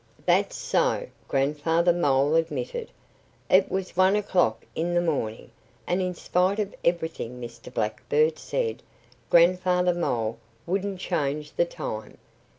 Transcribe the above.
'" "That's so!" Grandfather Mole admitted. "It was one o'clock in the morning." And in spite of everything Mr. Blackbird said, Grandfather Mole wouldn't change the time.